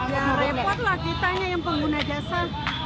yang repot lah kitanya yang pengguna jasa